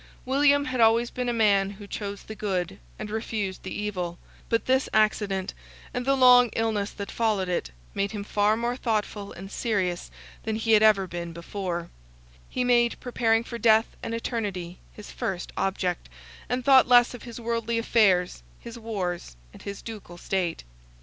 William had always been a man who chose the good and refused the evil, but this accident, and the long illness that followed it, made him far more thoughtful and serious than he had ever been before; he made preparing for death and eternity his first object, and thought less of his worldly affairs, his wars, and his ducal state.